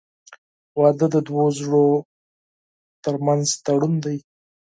• واده د دوه زړونو تر منځ تړون دی.